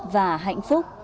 và hạnh phúc